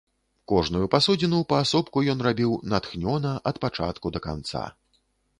Кожную пасудзіну паасобку ён рабіў натхнёна ад пачатку да канца.